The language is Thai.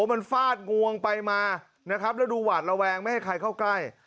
มันฟาดงวงไปมานะครับแล้วดูหวาดระแวงไม่ให้ใครเข้าใกล้